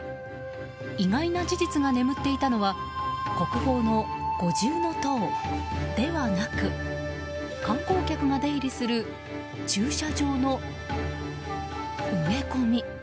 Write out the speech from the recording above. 意外な事実が眠っていたのは国宝の五重塔ではなく観光客が出入りする駐車場の植え込み。